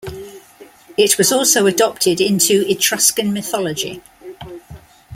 It was also adopted into Etruscan mythology.